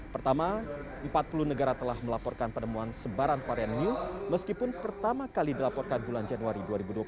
pertama empat puluh negara telah melaporkan penemuan sebaran varian new meskipun pertama kali dilaporkan bulan januari dua ribu dua puluh satu